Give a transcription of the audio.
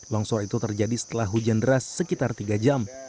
longsor itu terjadi setelah hujan deras sekitar tiga jam